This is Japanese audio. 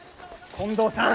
近藤さん！